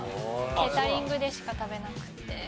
ケータリングでしか食べなくて。